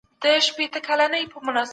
څوک غواړي چي له موږ سره مرسته وکړي؟